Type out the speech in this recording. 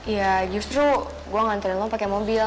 ya justru gue anterin lo pakai mobil